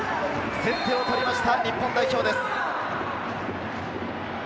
先手を取りました、日本代表です。